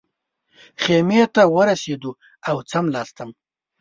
خیمې ته ورسېدو او څملاستم.